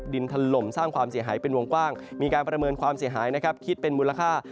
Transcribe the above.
ถล่มสร้างความเสียหายเป็นวงกว้างมีการประเมินความเสียหายนะครับคิดเป็นมูลค่า